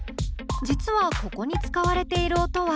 実はここに使われている音は。